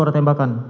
oh baru kemudian